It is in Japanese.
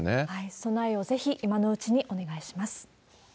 備えをぜひ今のうちにお願いします。